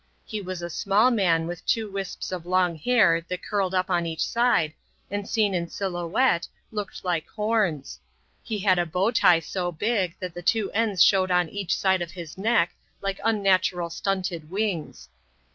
He was a small man with two wisps of long hair that curled up on each side, and seen in silhouette, looked like horns. He had a bow tie so big that the two ends showed on each side of his neck like unnatural stunted wings.